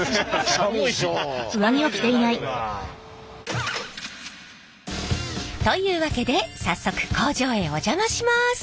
寒いでしょう。というわけで早速工場へお邪魔します。